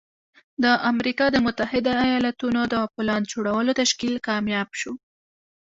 د امريکا د متحده ايالتونو د پولاد جوړولو تشکيل کامياب شو.